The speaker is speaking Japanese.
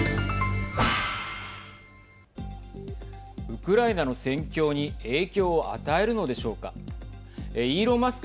ウクライナの戦況に影響を与えるのでしょうか。イーロン・マスク